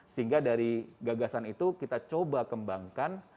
sehingga dari gagasan itu kita coba kembangkan